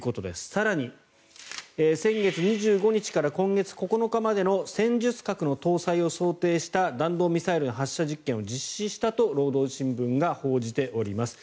更に先月２５日から今月９日までの戦術核の搭載を想定した弾道ミサイルの発射実験を実施したと労働新聞が報じております。